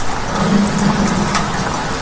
Carmen ni umutetsi mwiza cyane